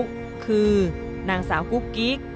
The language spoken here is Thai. ก็คือนางสาวกุ๊กกิ๊ก